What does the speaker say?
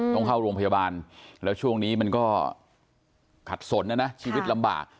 ต้องเข้าโรงพยาบาลแล้วช่วงนี้มันก็ขัดสนนะนะชีวิตลำบาก